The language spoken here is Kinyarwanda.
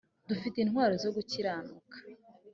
dufite intwaro zo gukiranuka